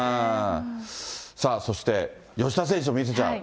さあそして、吉田選手も見せちゃう。